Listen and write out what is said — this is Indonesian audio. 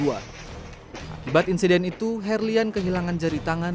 akibat insiden itu herlian kehilangan jari tangan